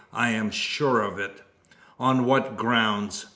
"I am sure of it." "On what grounds?"